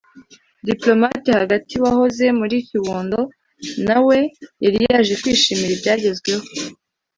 Diplomate (hagati) wahoze muri Kiwundo nawe yari yaje kwishimira ibyagezweho